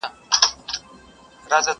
o لالا راوړې، لالا خوړلې!